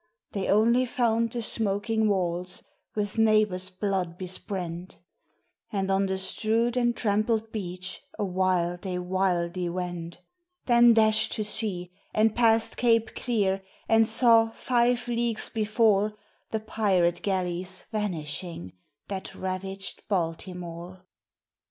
They only found the smoking walls with neighbors' blood besprent, And on the strewed and trampled beach awhile they wildly went, Then dashed to sea, and passed Cape Clear, and saw, five leagues before, The pirate galleys vanishing that ravaged Baltimore.